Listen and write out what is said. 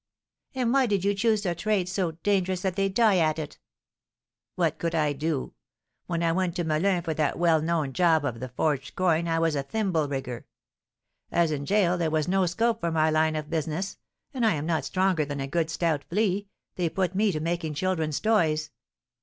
"And why did you choose a trade so dangerous that they die at it?" "What could I do? When I went to Melun for that well known job of the forged coin I was a thimble rigger. As in gaol there was no scope for my line of business, and I am not stronger than a good stout flea, they put me to making children's toys.